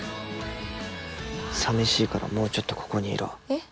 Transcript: さみしいからもうちょっとここにいろえっ？